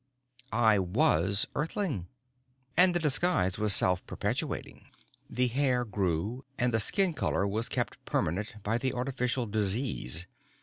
I was Earthling! And the disguise was self perpetuating: the hair grew and the skin color was kept permanent by the artificial "disease."